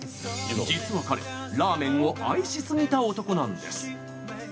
実は彼、ラーメンを愛しすぎた男なんです。